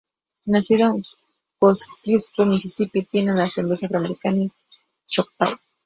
Nacido en Kosciusko, Misisipi, tiene ascendencia afroamericana y choctaw.